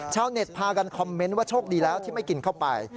ชาวเน็ตพากันคอมเมนต์ว่าโชคดีแล้วที่ไม่กินเข้าไป